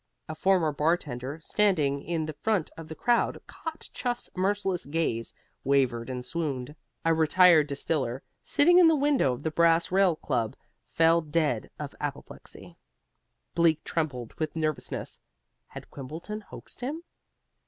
A former bartender, standing in the front of the crowd, caught Chuff's merciless gaze, wavered, and swooned. A retired distiller, sitting in the window of the Brass Rail Club, fell dead of apoplexy. Bleak trembled with nervousness. Had Quimbleton hoaxed him?